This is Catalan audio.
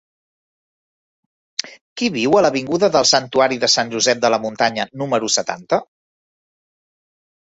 Qui viu a l'avinguda del Santuari de Sant Josep de la Muntanya número setanta?